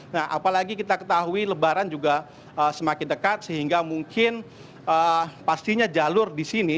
nah apalagi kita ketahui lebaran juga semakin dekat sehingga mungkin pastinya jalur di sini